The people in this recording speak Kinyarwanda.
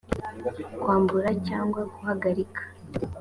kwambura cyangwa guhagarika